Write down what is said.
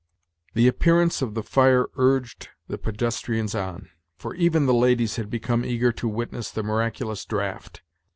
The appearance of the fire urged the pedestrians on, for even the ladies had become eager to witness the miraculous draught.